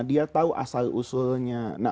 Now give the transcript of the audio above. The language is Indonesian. dia tahu asal usulnya